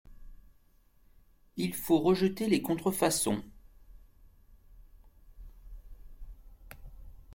Il faut rejetter les contre-façons.